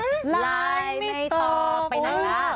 ในลายไม่ต่อไปหน่อย